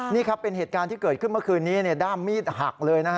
นี่ครับเป็นเหตุการณ์ที่เกิดขึ้นเมื่อคืนนี้ด้ามมีดหักเลยนะฮะ